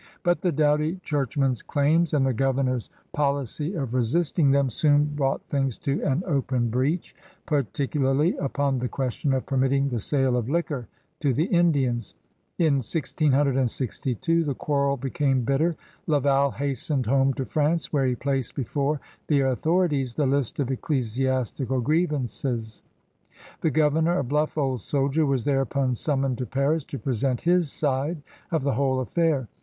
But the doughty churchman's claims and the governor's THE FOUNDING OF NEW FRANCE 59 policy of resisting them soon brought things to an open breach, particularly upon the question of permitting the sale of liquor to the Indians. In 1662 the quarrel became bitter. Laval hastened home to France where he placed before the authori ties the list of ecclesiastical grievances. The governor, a bluff old soldier, was thereupon summoned to Paris to present his side of the whole affair.